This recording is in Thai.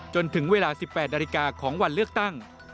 จนถึงเวลา๑๘นาฬิกาของวันเลือกตั้ง